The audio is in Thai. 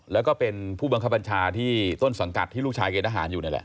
แล้วก็เป็นผู้บังคับบัญชาที่ต้นสังกัดที่ลูกชายเกณฑหารอยู่นี่แหละ